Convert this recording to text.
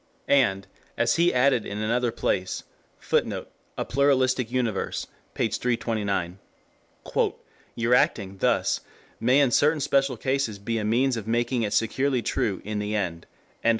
And, as he added in another place, [Footnote: A Pluralistic Universe, p. 329.] "your acting thus may in certain special cases be a means of making it securely true in the end."